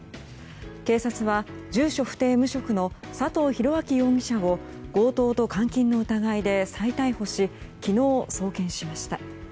警察は住居・不定無職の佐藤廣明容疑者を強盗と監禁の疑いで再逮捕し昨日、送検しました。